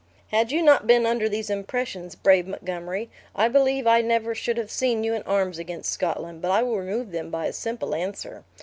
"Had you not been under these impressions, brave Montgomery, I believe I never should have seen you in arms against Scotland; but I will remove them by a simple answer.